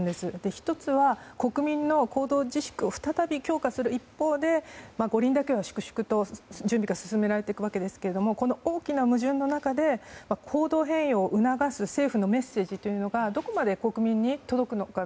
１つは、国民の行動自粛を再び強化する一方で五輪だけは粛々と準備が進められていくわけですけどもこの大きな矛盾の中で行動変容を促す政府のメッセージがどこまで国民に届くのか。